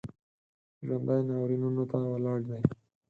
ژوندي ناورینونو ته ولاړ دي